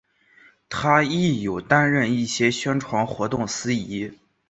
她亦有担任一些宣传活动司仪。